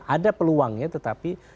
ada peluangnya tetapi